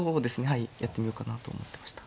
はいやってみようかなと思ってました。